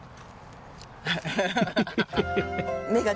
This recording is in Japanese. アハハハ！